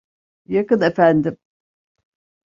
Yakın efendim!